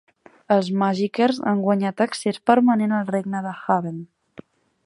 Els Magickers han guanyat accés permanent al regne de Haven.